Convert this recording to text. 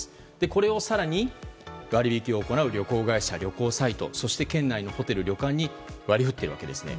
これを更に割り引きを行う旅行会社旅行サイト県内のホテル、旅館に割り振っているわけですね。